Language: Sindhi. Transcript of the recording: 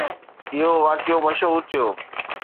اهو واقعو مشهور ٿيو.